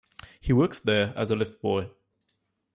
He works there as a lift-boy.